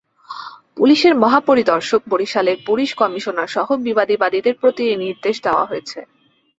পুলিশের মহাপরিদর্শক, বরিশালের পুলিশ কমিশনারসহ বিবাদীদের প্রতি এ নির্দেশ দেওয়া হয়েছে।